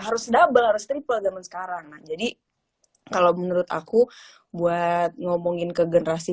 harus double harus triple zaman sekarang jadi kalau menurut aku buat ngomongin ke generasi